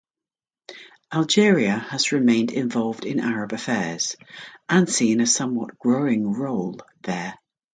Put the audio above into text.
Algeria has remained involved in Arab affairs, and seen a somewhat growing role there.